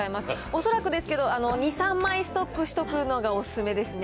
恐らくですけど、２、３枚ストックしておくのがお勧めですね。